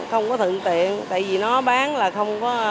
không có thượng tiện tại vì nó bán là không có